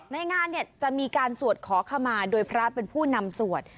ในงานเนี่ยจะมีการสวดขอขมาโดยพระเป็นผู้นำสวด